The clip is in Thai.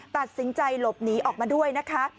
ตัดสินใจหลบหนีออกมาด้วยนะคะ